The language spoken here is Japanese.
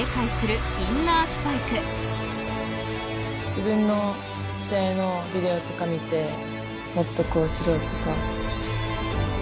自分の試合のビデオとか見て「もっとこうしろ」とか。